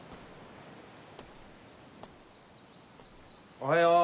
おはよう！